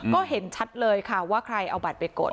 ก็เห็นชัดเลยค่ะว่าใครเอาบัตรไปกด